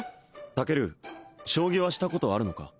タケル将棋はしたことあるのか？